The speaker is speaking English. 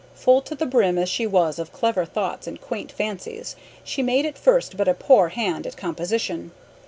Full to the brim as she was of clever thoughts and quaint fancies, she made at first but a poor hand at composition.